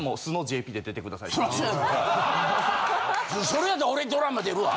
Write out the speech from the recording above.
それやったら俺ドラマ出るわ！